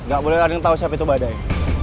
gak boleh kadang tau siapa itu badai